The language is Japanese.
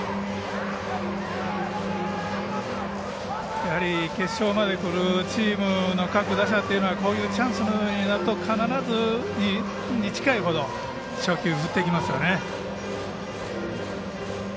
やはり決勝まで来るチームの各打者というのはこういうチャンスになると必ず初球に近いほど初球を振ってきますね。